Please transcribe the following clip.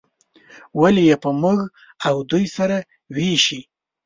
ولې یې په موږ او دوی سره ویشي.